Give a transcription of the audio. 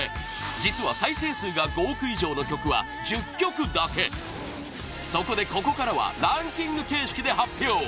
実は、再生数が５億以上の曲は１０曲だけそこで、ここからはランキング形式で発表